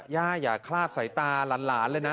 ย่าอย่าคลาดสายตาหลานเลยนะ